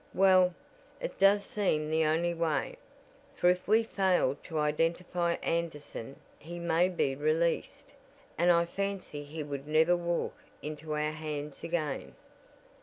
"Well, it does seem the only way, for if we fail to identify Anderson he may be released, and I fancy he would never walk into our hands again."